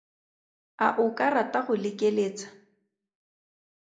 A o ka rata go lekeletsa?